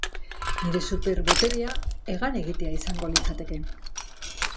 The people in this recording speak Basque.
Nire super boterea hegan egitea izango litzateke.